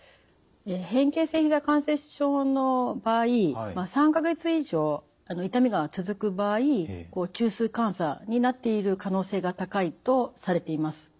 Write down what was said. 変形性ひざ関節症の場合３か月以上痛みが続く場合中枢感作になっている可能性が高いとされています。